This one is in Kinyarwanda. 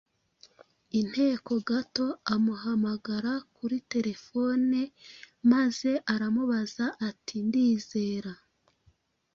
inteko gato amuhamagara kuri terefone maze aramubaza ati: “Ndizera